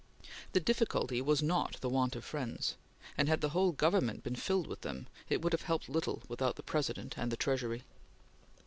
The difficulty was not the want of friends, and had the whole government been filled with them, it would have helped little without the President and the Treasury.